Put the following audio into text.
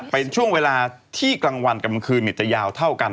เป็นช่วงเวลาที่กลางวันกับกลางคืนจะยาวเท่ากัน